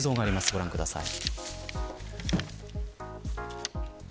ご覧ください。